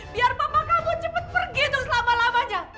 biar bapak kamu cepet pergi tuh selama lamanya